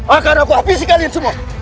akan aku habisi kalian semua